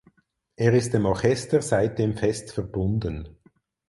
Er ist dem Orchester seitdem fest verbunden.